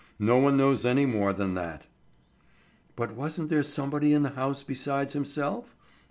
No one knows any more than that." "But wasn't there somebody in the house besides himself?